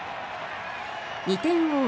２点を追う